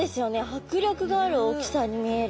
迫力がある大きさに見える。